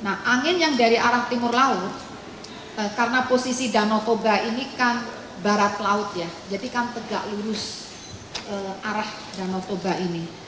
nah angin yang dari arah timur laut karena posisi danau toba ini kan barat laut ya jadi kan tegak lurus arah danau toba ini